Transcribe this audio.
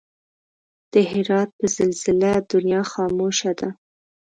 د هرات په زلزله دنيا خاموش ده